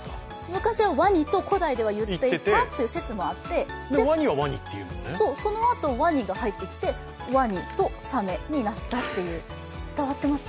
私はわにと古代では言っていたという説があって、そのあと、ワニが入ってきて、ワニとサメになったという、伝わってます？